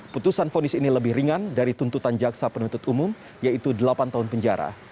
putusan fonis ini lebih ringan dari tuntutan jaksa penuntut umum yaitu delapan tahun penjara